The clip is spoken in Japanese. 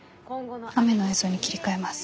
雨の映像に切り替えます。